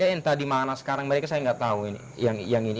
ya ini lima puluh dua tkn tadi mana sekarang mereka saya nggak tahu ini